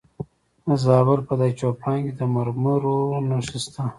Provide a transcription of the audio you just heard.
د زابل په دایچوپان کې د مرمرو نښې شته.